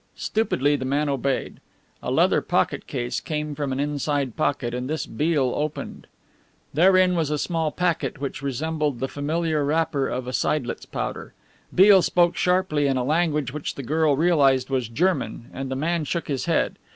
Stupidly the man obeyed. A leather pocket case came from an inside pocket and this Beale opened. Therein was a small packet which resembled the familiar wrapper of a seidlitz powder. Beale spoke sharply in a language which the girl realized was German, and the man shook his head.